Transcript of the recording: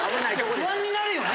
不安になるよね